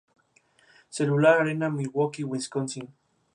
Cellular Arena en Milwaukee, Wisconsin.